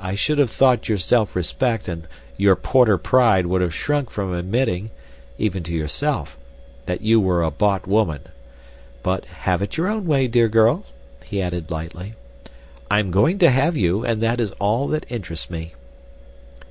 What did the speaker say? I should have thought your self respect and your Porter pride would have shrunk from admitting, even to yourself, that you were a bought woman. But have it your own way, dear girl," he added lightly. "I am going to have you, and that is all that interests me."